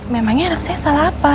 memangnya anak saya salah apa